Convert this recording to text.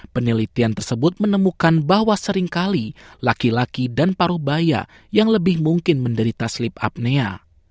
penelitian tersebut menemukan bahwa seringkali laki laki dan paruh bayi yang lebih mungkin menderita sleep apnea